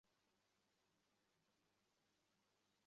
অন্য কোনো সময় হইলে এই প্রত্যাখানে মহেন্দ্রের আবেগ আরো বাড়িয়া উঠিত।